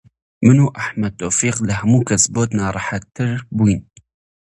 من و ئەحمەد تەوفیق لە هەموو کەس بۆت ناڕەحەتتر بووین